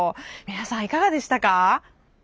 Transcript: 皆さんいかがでしたか？